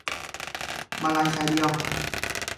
มาลัยชายเดียว